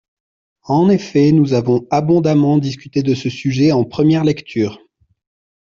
En effet, nous avons abondamment discuté de ce sujet en première lecture.